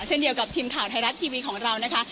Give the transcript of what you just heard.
เช่นเดียวกับทีมข่าวไทยรัฐทีวีของเรานะคะ